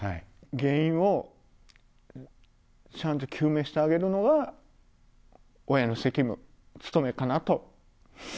原因をちゃんと究明してあげるのが、親の責務、務めかなと。